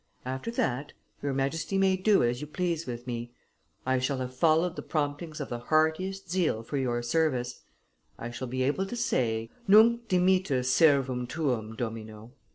After that your Majesty may do as you please with me; I shall have followed the promptings of the heartiest zeal for your service, I shall be able to say, 'Nunc dimittis servum tuum, Domino.